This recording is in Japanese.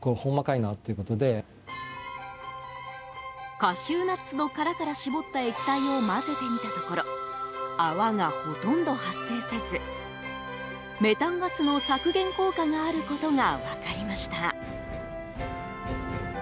カシューナッツの殻から搾った液体を混ぜてみたところ泡がほとんど発生せずメタンガスの削減効果があることが分かりました。